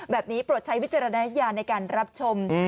โปรดใช้วิจารณญาณในการรับชม